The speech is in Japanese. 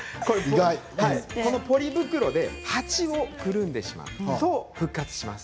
ポリ袋で鉢をくるんでしまうと復活します。